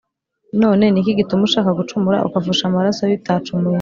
None ni iki gituma ushaka gucumura ukavusha amaraso y’utacumuye